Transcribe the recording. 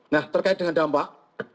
nah terkait dengan dampak